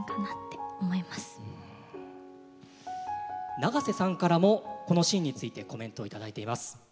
永瀬さんからもこのシーンについてコメントを頂いています。